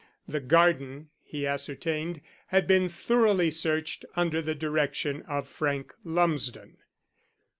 The garden, he ascertained, had been thoroughly searched under the direction of Frank Lumsden.